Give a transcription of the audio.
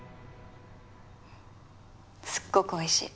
すっごくおいしい。